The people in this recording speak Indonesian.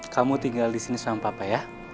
kamu tinggal disini sama papa ya